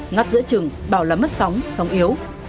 ngắt giữa chừng bảo là mất sóng sóng yếu